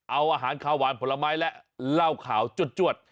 เอาอาหารขาวหวานผลไม้และเหล้าขาวจวด